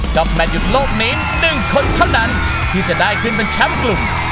แมทหยุดโลกนี้๑คนเท่านั้นที่จะได้ขึ้นเป็นแชมป์กลุ่ม